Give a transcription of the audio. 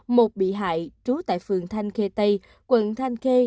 một bị hại trú tại phường thanh khê tây quận thanh khê